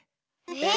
え？